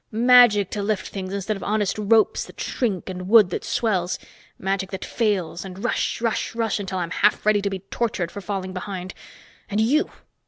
Magic to lift things instead of honest ropes that shrink and wood that swells. Magic that fails, and rush, rush, rush until I'm half ready to be tortured for falling behind, and you!